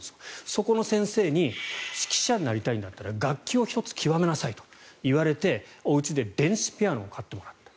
そこの先生に指揮者になりたいんだったら楽器を１つ極めなさいと言われておうちで電子ピアノを買ってもらった。